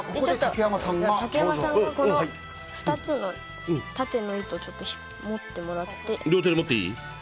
竹山さんが２つの縦の糸を持ってもらって両手で持っていい？